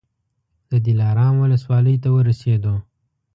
د دلارام ولسوالۍ ته ورسېدو.